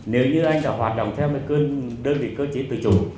nếu như anh có hoạt động theo mấy cơn đơn vị cơ chế tự chủ